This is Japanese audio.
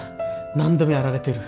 何度もやられてる。